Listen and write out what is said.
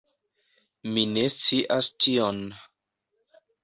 Mi ne scias tion